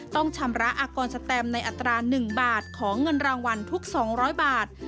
ต้องชำระอากรสแตมในอัตรา๑บาทของเงินรางวัลทุก๒๐๐บาท